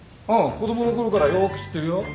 子供のころからよく知ってるよ。